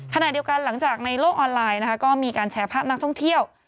ขณะเดียวกันหลังจากในโลกออนไลน์นะคะก็มีการแชร์ภาพนักท่องเที่ยว